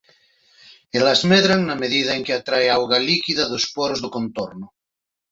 Elas medran na medida en que atrae auga líquida dos poros do contorno.